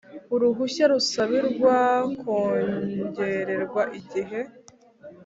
uruhushya rusabirwa kongererwa igihe